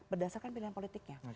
berdasarkan pilihan politiknya